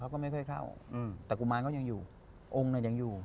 เขาก็ไม่เคยเข้าทุกคนในกุมารก็ยังอยู่อ้องก็ยังอยู่